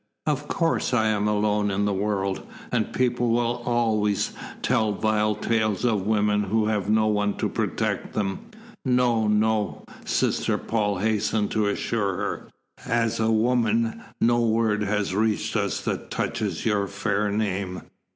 Of course I am alone in the world, and people will always tell vile tales of women who have no one to protect them." "No, no," Sister Paul hastened to assure her. "As a woman, no word has reached us that touches your fair name.